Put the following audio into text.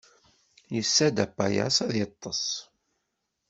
Yessa-d apayas ad yeṭṭes.